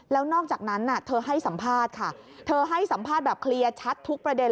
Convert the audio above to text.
แล้วนอกจากนั้นเธอให้สัมภาษณ์ค่ะเธอให้สัมภาษณ์แบบเคลียร์ชัดทุกประเด็น